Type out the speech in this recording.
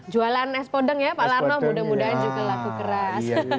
jualan es podeng ya pak larno mudah mudahan juga laku keras